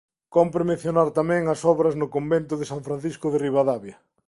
Cómpre mencionar tamén as obras no Convento de San Francisco de Ribadavia.